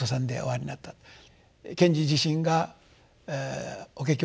賢治自身が「法華経」